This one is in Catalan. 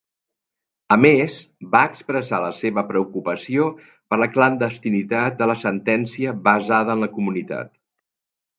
A més, va expressar la seva preocupació per la clandestinitat de la sentència basada en la comunitat.